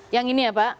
yang ini ya pak